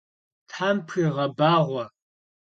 Them pxuiğebağue!